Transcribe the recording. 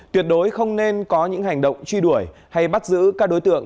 tuyệt đối không nên có những hành động truy đuổi hay bắt giữ các đối tượng